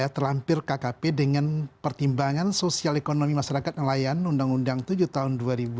terlampir kkp dengan pertimbangan sosial ekonomi masyarakat nelayan undang undang tujuh tahun dua ribu dua